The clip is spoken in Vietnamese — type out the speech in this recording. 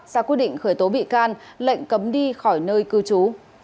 ra quyết định khởi tố bị can lệnh cấm đi khỏi nơi cư trú